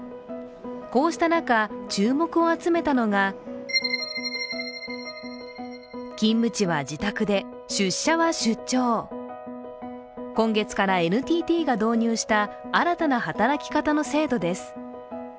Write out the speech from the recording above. こうした中、注目を集めたのが今月からＮＴＴが導入した新たな働き方の制度です。